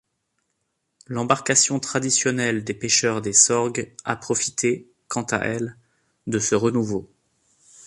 L'embarcation traditionnelle des pêcheurs des Sorgues a profité, quant à elle, de ce renouveau.